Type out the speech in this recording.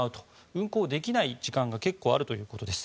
運行できない時間が結構あるということです。